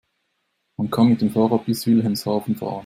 Man kann mit dem Fahrrad bis Wilhelmshaven fahren